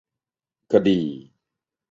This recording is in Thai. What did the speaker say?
คดี